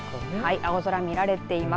青空が見られています。